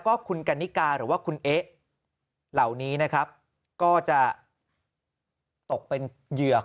ก็คุณกันนิกาหรือว่าคุณเอ๊ะเหล่านี้นะครับก็จะตกเป็นเหยื่อ